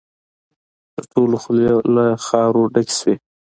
د ټولو خولې له خاورو ډکې شوې.